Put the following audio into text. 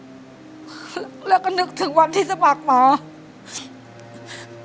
แล้วตอนนี้พี่พากลับไปในสามีออกจากโรงพยาบาลแล้วแล้วตอนนี้จะมาถ่ายรายการ